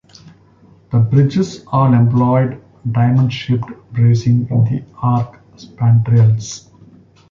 The bridges all employed diamond-shaped bracing in the arch spandrels.